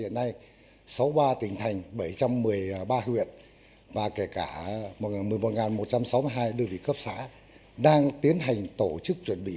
hiện nay sáu mươi ba tỉnh thành bảy trăm một mươi ba huyện và kể cả một mươi một một trăm sáu mươi hai đơn vị cấp xã đang tiến hành tổ chức chuẩn bị